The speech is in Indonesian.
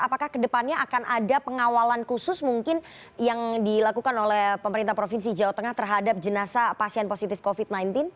apakah kedepannya akan ada pengawalan khusus mungkin yang dilakukan oleh pemerintah provinsi jawa tengah terhadap jenazah pasien positif covid sembilan belas